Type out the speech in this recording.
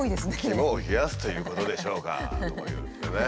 「肝を冷やすということでしょうか」とか言ってね。